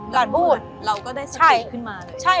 หลานพูดเราก็ได้สติขึ้นมาเลย